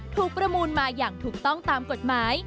ประมูลมาอย่างถูกต้องตามกฎหมาย